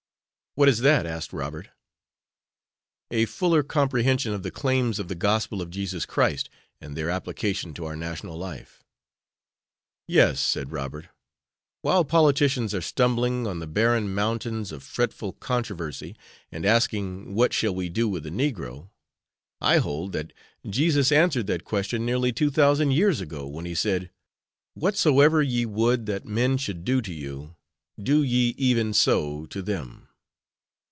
"What is that?" asked Robert. "A fuller comprehension of the claims of the Gospel of Jesus Christ, and their application to our national life." "Yes," said Robert; "while politicians are stumbling on the barren mountains of fretful controversy and asking what shall we do with the negro? I hold that Jesus answered that question nearly two thousand years ago when he said, 'Whatsoever ye would that men should do to you, do ye even so to them.'"